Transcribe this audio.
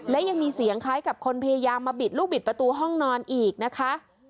และยังมีเสียงคล้ายกับคนพยายามมาบิดลูกบิดประตูห้องนอนอีกนะคะ